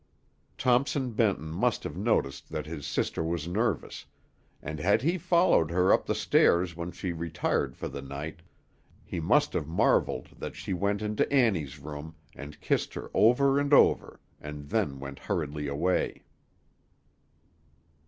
Thompson Benton must have noticed that his sister was nervous, and had he followed her up the stairs when she retired for the night, he must have marvelled that she went into Annie's room, and kissed her over and over, and then went hurriedly away.